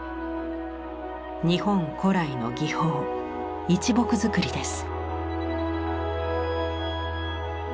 日本古来の技法「一木造り」です。